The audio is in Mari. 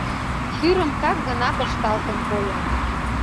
шӱрым так гына пышталтын койо.